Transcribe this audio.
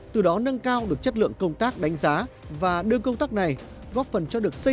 từ đó nâng cao được chất lượng công tác đánh giá và đưa công tác này góp phần cho được xây